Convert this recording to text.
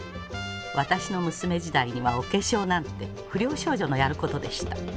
私の娘時代にはお化粧なんて不良少女のやる事でした。